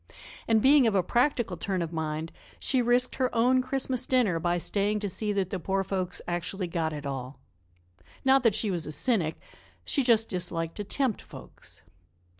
And, being of a practical turn of mind, she risked her own Christmas dinner by staying to see that the poor folks actually got it all. Not that she was a cynic; she just disliked to tempt folks.